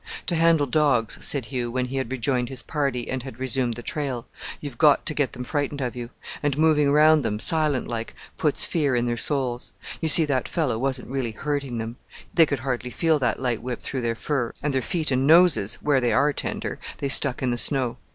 "To handle dogs," said Hugh, when he had rejoined his party and had resumed the trail, "you've got to get them frightened of you; and moving round them, silent like, puts fear in their souls. You see, that fellow wasn't really hurting them; they could hardly feel that light whip through their fur, and their feet and noses, where they are tender, they stuck in the snow.